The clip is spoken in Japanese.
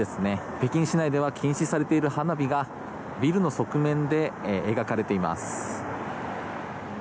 北京市内では禁止されている花火がビルの側面で描かれています。